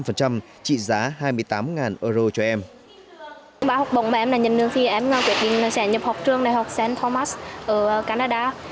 trong ba học bổng mà em nhận được thì em quyết định sẽ nhập học trường đại học saint thomas ở canada